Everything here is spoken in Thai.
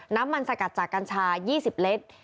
น้ำมันสกัดจากกัญชา๒๐ลิตร